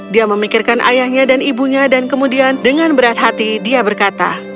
dia memikirkan ayahnya dan ibunya dan kemudian dengan berat hati dia berkata